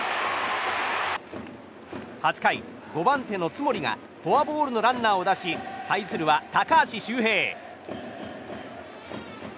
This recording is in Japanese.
８回、５番手の津森がフォアボールのランナーを出し対するは、高橋周平。